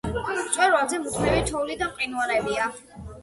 მწვერვალზე მუდმივი თოვლი და მყინვარებია.